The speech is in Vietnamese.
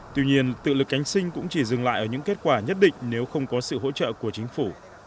tuy nhiên tự lực cánh sinh cũng chỉ dừng lại ở những kết quả nhất định nếu không có sự hỗ trợ của chính phủ